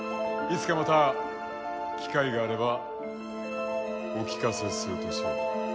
いつかまた機会があればお聴かせするとしよう。